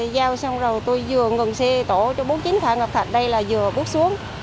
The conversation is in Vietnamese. giao xong rồi tôi vừa ngừng xe tổ cho bốn mươi chín phạm ngọc thạch đây là vừa bước xuống